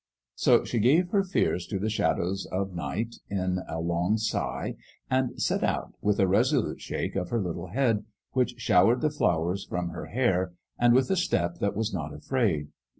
So she gave her fears to the shadows of night, in a long sigh, and set out, with a resolute shake of her little head, which showered the flowers from her hair, and with a step that was not afraid.